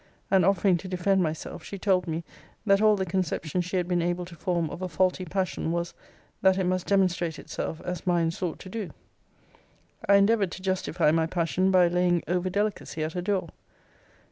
And offering to defend myself, she told me, that all the conception she had been able to form of a faulty passion, was, that it must demonstrate itself as mine sought to do. I endeavoured to justify my passion, by laying over delicacy at her door.